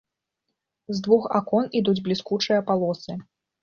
З двух акон ідуць бліскучыя палосы.